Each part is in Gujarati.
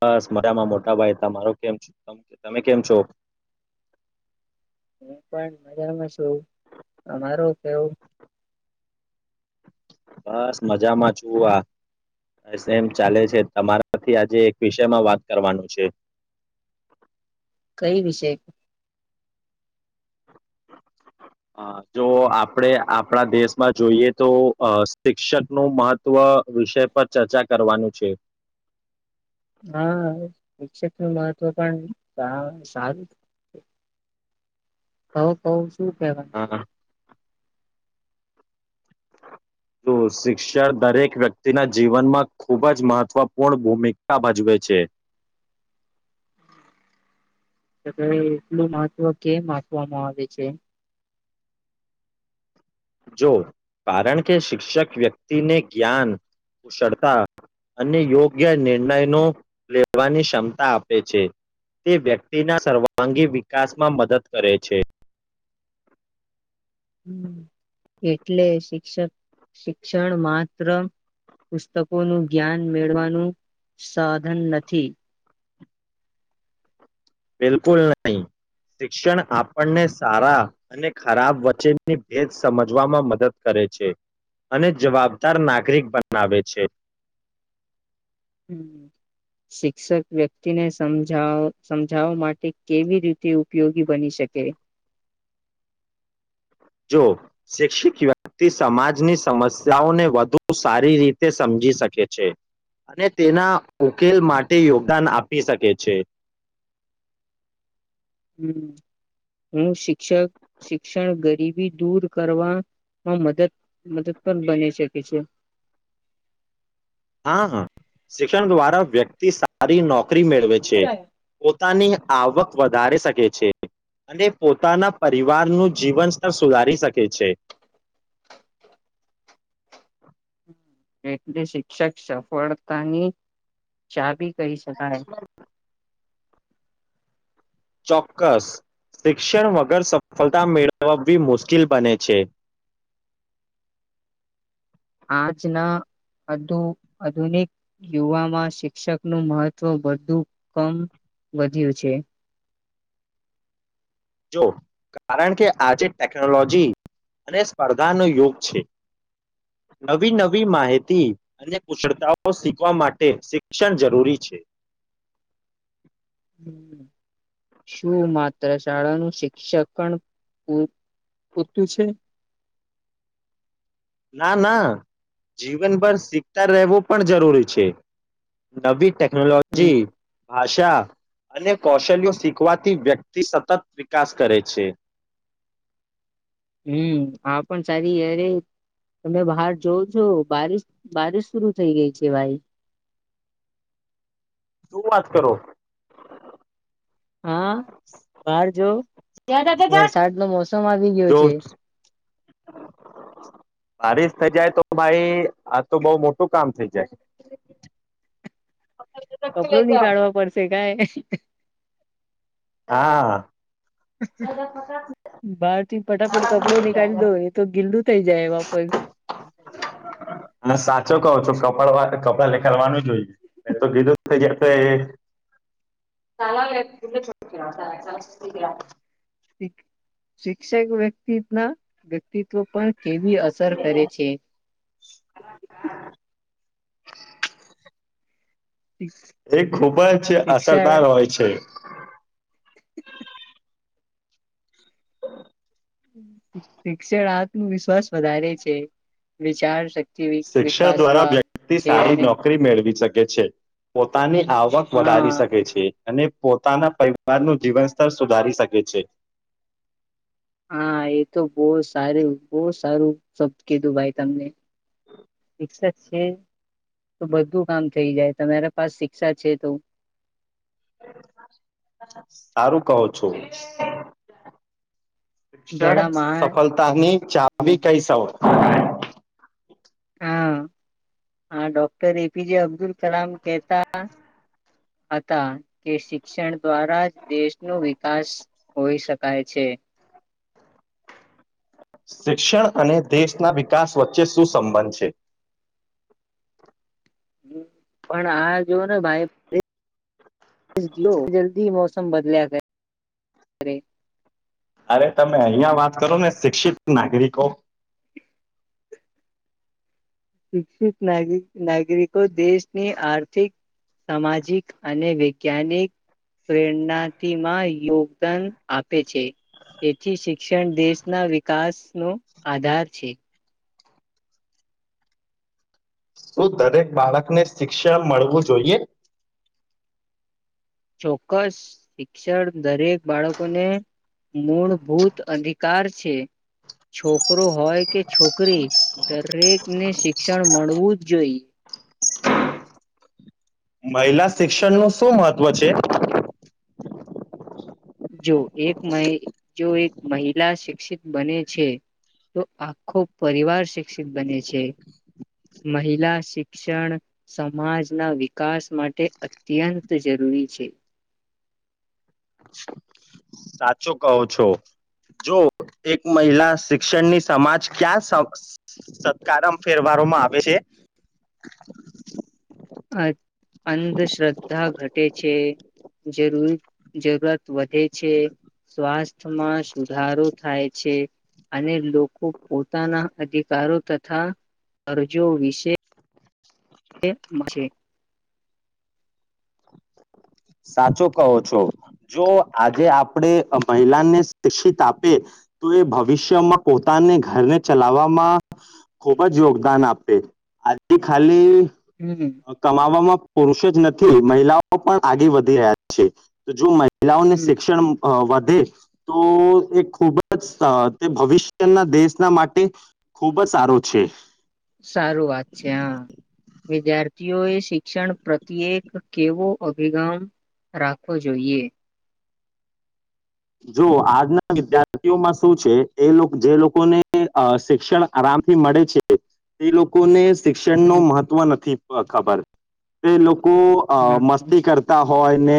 બસ મરામાં મોટા ભાઈ ત મારો કેમ તમે કેમ છો? એ પણ મજામાં શું, અમારું કેવું? બસ મજામાં છું આ, બસ એમ ચાલે છે, તમારાથી આજે એક વિષયમાં વાત કરવાનું છે. કઈ વિષય? જો આપણે આપણા દેશમાં જોઈએ તો શિક્ષકનું મહત્ત્વ વિષય પર ચર્ચા કરવાનું છે. હા શિક્ષક નું મહત્વ પણ સારું ક તું અ, તો શિક્ષણ દરેક વ્યક્તિના જીવનમાં ખૂબ જ મહત્વપૂર્ણ ભૂમિકા ભજવે છે. તો ભ એટલું મહત્વ કેમ આપવામાં આવે છે? જો કારણ કે શિક્ષક વ્યક્તિને જ્ઞાન, કુશળતા, અને યોગ્ય નિર્ણયનો, લેવાની ક્ષમતા આપે છે, તે વ્યક્તિના સર્વાંગી વિકાસમાં મદદ કરે છે. એટલે શિક્ષક શિક્ષણ માત્ર પુસ્તકોનું જ્ઞાન મેળવાનું સાધન નથી. બિલકુલ નહી, શિક્ષણ આપણને સારા અને ખરાબ વચ્ચેની ભેદ સમજવામાં મદદ કરે છે, અને જવાબદાર નાગરિક બનાવે છે. શિક્ષક વ્યક્તિને સમ સમજાવવા માટે કેવી રીતે ઉપયોગી બની શકે? જો શિક્ષિત વ્યક્તિ સમાજની સમસ્યાઓને વધુ સારી રીતે સમજી શકે છે, અને તેના ઉકેલ માટે યોગદાન આપી શકે છે. હમ, હું શિક્ષક શિક્ષણ ગરીબી દૂર કરવાવામાં મદદ મદદ પણ બની શકે છે. હા હા શિક્ષણ દ્વારા વ્યક્તિ સારી નોકરી મેળવે છે, પોતાની આવક વધારે શકે છે, અને પોતાના પરિવારનું જીવન સ્તર સુધારી શકે છે. એટલે શિક્ષક સફળતાની ચાવી કહી શકાય. ચોક્કસ, શિક્ષણ વગર સફળતા મેળવવી મુશ્કેલ બને છે. આજના આધુનિક યુવામાં શિક્ષકનું મહત્વ વધુ કમ વધ્યું છે. જો કારણ કે આજે ટેકનોલોજી અને સ્પર્ધાનો યોગ છે, નવી નવી માહિતી અને કુશળતાઓ શીખવા માટે શિક્ષણ જરૂરી છે. શું માત્ર શાળાનું શિક્ષકણ પૂતું છે? ના ના, જીવનભર શીખતા રહેવું પણ જરૂરી છે, નવી ટેક્નોલોજી, ભાષા શિક્ષ અને કૌશલ્યો શીખવાથી વ્યક્તિ સતત વિકાસ કરે છે. હમ આ પણ સારી યરે તમે બહાર જોવ છો બારિશ બારિશ શરુ થઈ ગઈ છે ભાઈ. શું વાત કરો? હા બહાર જો. ક્યા વરસાદનો મોસમ આવી ગયો જો [unintelligible] છે બારીસ થઇ જાય તો ભાઈ આ તો બઉ મોટું કામ થઇ જાય. કપડો નની કાઢવા પડશે કઈ હા બાર થી ફટાફટ કપડો નીકળી દો એ તો ગીલું થઈ જાય એમાં પણ અને સાચો કહો છો કપડા કડવાનું જ હોય એ તો કીધું [unintelligible] શિક્ષક વ્યક્તિના વક્તિ વ્યક્તિત્વ પણ કેવી અસર કરે છે. એ ખુબ જ અસરદાર શિક્ષણ હોય છે. શિક્ષણ આત્મવિશ્વાસ વધારે છે, વિચાર શ શિક્ષણ દ્વારા વ્યક્તિ સારી અને નોકરી મેળવી શકે છે, પોતાની આવક હા વધારી શકે છે. અને, પોતાના પરિવારનું જીવન સ્તર સુધારી શકે છે. હા, એ તો બોવ સારું બોવ સારું શબ્દ કીધું ભાઈ તમને, શિક્ષા છે તો બધું કામ થઈ જાય, તમારા પાસ શિક્ષા છે તો. [unintelligible] સારું કહો છો. [inaudible] શિક્ષણ ઘણા મહાન સફળતાની હમ ચાવી કહીશો. હા, હા, ડૉક્ટર એ પી જે અબ્દુલ કલામ કહેતા હતા કે, શિક્ષણ દ્વારા જ દેશનો વિકાસ હોઈ શકાય છે. શિક્ષણ અને દેશના વિકાસ વચ્ચે શું સંબંધ છે? હ, પણ આ જો ને ભાઈ, [inaudible] જલ્દી મોસમ બદલ્યા કરે, કરે. અરે, તમે અહિયાં વાત કરો ને, શિક્ષિત નાગરિકો શિક્ષિત નાગ નાગરિકો દેશની આર્થિક, સામાજિક અને વૈજ્ઞાનિક પ્રેરનાતિમાં યોગદાન આપે છે. તેથી શિક્ષણ દેશના વિકાસનો આધાર છે. શું દરેક બાળકને શિક્ષણ મળવું જોઈએ.? ચોક્કસ, શિક્ષણ દરેક બાળકો ને મૂળભૂત અધિકાર છે. છોકરો હોય કે છોકરી, દરેકને શિક્ષણ મળવું જ જોઈએ. મહિલા શિક્ષણનું શું મહત્વ છે? જો એક મહિ, જો એક મહિલા શિક્ષિત બને છે, તો આખો પરિવાર શિક્ષિત બને છે. મહિલા શિક્ષણ સમાજના વિકાસ માટે અત્યંત જરૂરી છે. સાચું કહો છો. જો એક મહિલા શિક્ષણની, સમાજ ક્યાં સત સત્કારમ ફેરવામાં આવે છે? અ- અંધશ્રદ્ધા ઘટે છે જરૂર જરૂરત વધે છે, સ્વાસ્થ્યમાં સુધારો થાય છે, અને લોકો પોતાના અધિકારો તથા કરજો વિશે એમ છે. [inaudible] સાચો કહો છો, જો આજે આપણે મહિલાને શિક્ષિત આપે, તો એ ભવિષ્યમાં પોતાને ઘરને ચલાવવામાં ખુબ જ યોગદાન આપે આજથી ખાલી હમ કમાવામાં પુરુષ જ નથી, મહિલાઓ પણ આગે વધી રહ્યા છે, તો જો મહિ મહિલાઓને હમ શિક્ષણ અ વ હમ્મ, તો એ ખૂબ જ, તે ભવિષ્યના દેશના માટે ખૂબ જ સારું છે. સારું વાત છે. હા, વિદ્યાર્થીઓએ શિક્ષણ પ્રત્યે કેવો અભિગમ રાખવો જોઈએ.? જો આજના વિદ્યાર્થીઓમાં શું છે? એ લોકોને જે લોકોને શિક્ષણ આરામથી મળે છે, તે લોકોને શિક્ષણનું હ મહત્ત્વ નથી. [unintelligible] ખબર તે લોકો લોકો અ મસ્તી કરતા હોય ને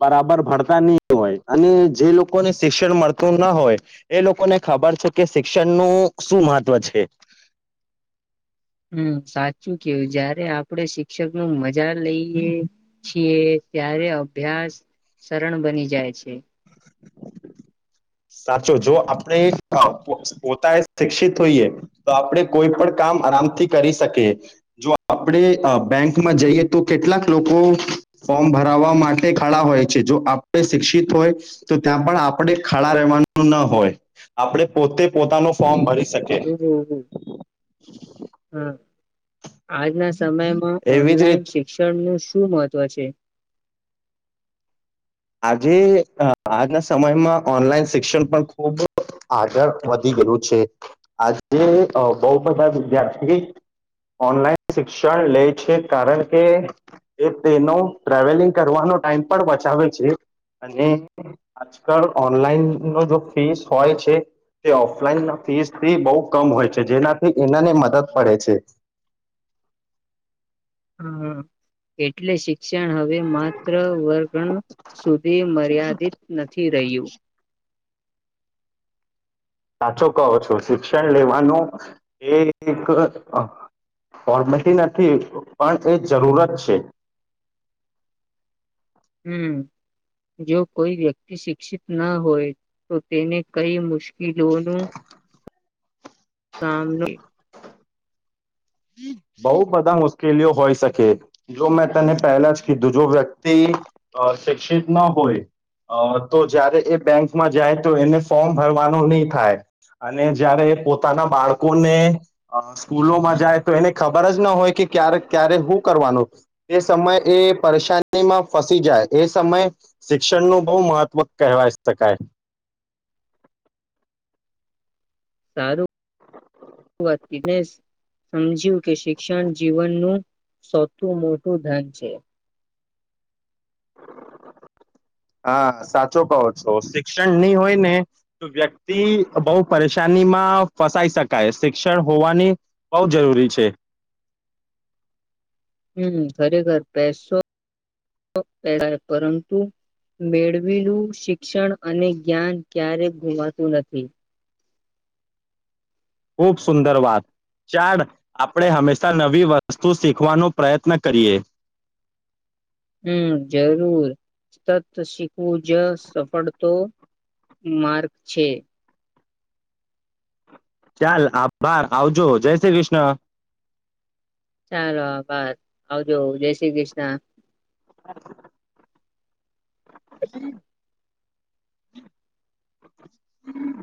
બરાબર ભણતા નહી હોય, અને જે લોકોને શિક્ષણ મળતું ના હોય, એ લોકોને ખબર છે, કે શિક્ષણનું શું મહત્વ છે.? હમ્મ, સાચ શું કેવું? જયારે આપ આપણે શિક્ષક નું મજા લઈએ છીએ, ત્યારે અભ્યાસ સરળ બની જાય છે. સાચો જો આપણે પોતાએ શિક્ષિત હોઈએ તો, આપણે કોઈ પણ કામ આરામથી કરી શકીએ. જો આપણે બેંકમાં જઈએ તો કેટલાક લોકો ફોર્મ ભરાવા માટે ખાળા હોય છે. જો આપણે શિક્ષિત હોય તો, ત્યાં પણ આપણે ખડા રહેવાનું ના હોય, આપણે પોતે પોતાનું ફોર્મ હમ ભરી શકે. હમ [unintelligible] આજ ના સમયમાં જ રીતે ઓનલાઈન શિક્ષણ નું શું મહત્વ છે? આજે આજના સમયમાં ઓનલાઈન શિક્ષણ પણ ખુબ આગળ વધી ગેલુ છે. આજે હું અ બહુ બધા વિદ્યાર્થી ઓનલાઈન શિક્ષણ લે છે કારણ કે તેનો ટ્રાવેલિંગ કરવાનો ટાઈમ પણ બચાવે છે અને આજકાલ ઓનલાઈન નો ફીસ હોય છે તે ઓફલાઈન ફીસથી બઉ કમ હોય છે જેનાથી એનાને મદદ પડે છે. હા એટલે શીખ ક્ષણ હવે માત્ર વર્ગણ સુધી મર્યાદિત નથી રહ્યું. સાચો કહો છો શિક્ષણ લેવાનો એ એક ફોર્મલિટી નથી પણ એ જરૂરત છે. હમ જો કોઈ વ્યક્તિ શિક્ષિત ના હોય તો તેને કઈ મુશ કીલોનું [unintelligible] બઉ બધા મુશ્કેલીઓ હોય શકે. જો મેં તને પહેલા જ કીધું જો વ્યક્તિ શિક્ષિત અ ના હોય અ તો જયારે એ બેંકમાં જાય તો એને ફોર્મ ભરવાનો ની થાય અને જયારે એ પોતાના બાળકોને અ સ્કૂલોમાં જાય તો એને ખબર જ ના હોય કે ક્યારે ક્યારે હુ કરવાનું એ સમય એ પરેશાનીમાં ફસી જાય એ સમય શિક્ષણનું બહુ મહત્વ કહેવાય શકાય. સારું [inaudible] સમજ્યું કે શિક્ષણ જીવનનું સતું મોટું ધન છે હા સાચો કહો છો શિક્ષણ ની હોય ને તો વ્યક્તિ બઉ પરેશાનીમાં ફસાઈ શકાય શિક્ષણ હોવાની બઉ જરૂરી છે. હમ ખરેખર પેસો [unintelligible] પરંતુ મેળવેલું શિક્ષણ અને જ્ઞાન ક્યારેક ગુમાતું નથી. ખૂબ સુંદર વાત ચાડ આપડે હંમેશા નવી વસ્તુ શીખવાનો પ્રયત્ન કરીએ. હમ જરૂર તત શીખવું જ સફળતો માર્ગ છે. ચાલ આભાર આવજો જય શ્રી કૃષ્ણ. ચાલો આભાર આવજો જય શ્રી કૃષ્ણ. [inaudible] હમ.